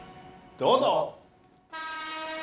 どうぞ。